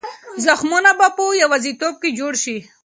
زخمونه به په یوازیتوب کې جوړ شي.